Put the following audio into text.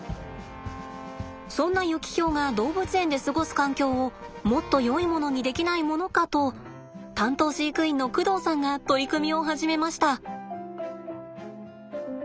そんなユキヒョウが動物園で過ごす環境をもっとよいものにできないものかと担当飼育員の工藤さんが取り組みを始めました。